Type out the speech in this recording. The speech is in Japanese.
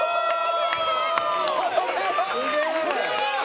これは！